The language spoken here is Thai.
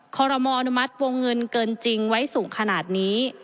ขอรมออนุมัติวงเงินเกินจริงไว้สูงขนาดนี้